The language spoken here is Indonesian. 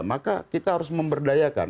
maka kita harus memberdayakan